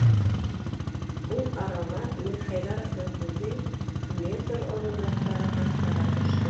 Ул арала Мирхәйҙәровтың күҙе метр оҙонлоҡтағы таҡтаға төштө.